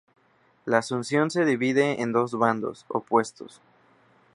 La Asunción se divide en dos bandos opuestos.